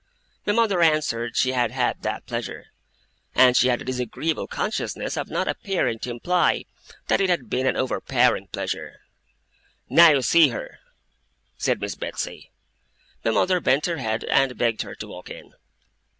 My mother answered she had had that pleasure. And she had a disagreeable consciousness of not appearing to imply that it had been an overpowering pleasure. 'Now you see her,' said Miss Betsey. My mother bent her head, and begged her to walk in.